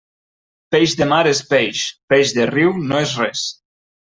Peix de mar és peix, peix de riu no és res.